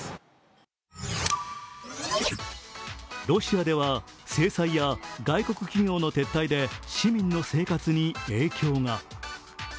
ロシアでは、制裁や外国企業の撤退で市民の生活に影響が。